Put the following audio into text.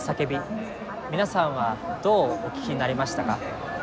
皆さんはどうお聞きになりましたか？